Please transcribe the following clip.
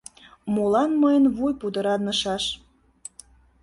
— Молан мыйын вуй пудыранышаш?